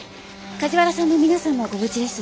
梶原さんも皆さんもご無事です。